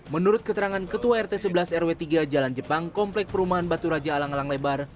menurut keterangan ketua rt sebelas rw tiga jalan jepang komplek perumahan batu raja alang alang lebar